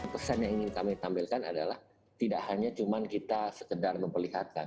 pesan yang ingin kami tampilkan adalah tidak hanya cuma kita sekedar memperlihatkan